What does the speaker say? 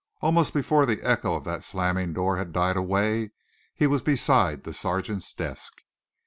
Almost before the echo of that slamming door had died away, he was beside the sergeant's desk.